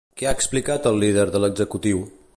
Què ha explicat la líder de l'executiu?